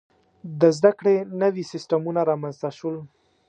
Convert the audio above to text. • د زده کړې نوي سیستمونه رامنځته شول.